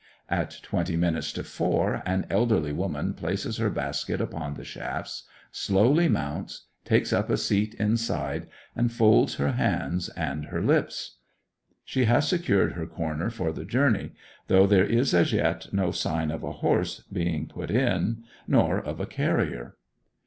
At twenty minutes to four an elderly woman places her basket upon the shafts, slowly mounts, takes up a seat inside, and folds her hands and her lips. She has secured her corner for the journey, though there is as yet no sign of a horse being put in, nor of a carrier.